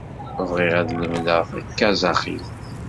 Bɣiɣ ad lemdeɣ takaẓaxit.